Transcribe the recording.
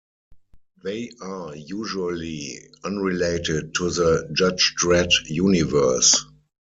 They are usually unrelated to the Judge Dredd universe.